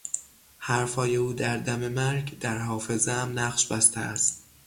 حرفهای او در دم مرگ در حافظهام نقش بسته است.